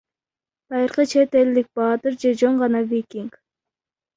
Байыркы чет элдик баатыр же жөн гана викинг.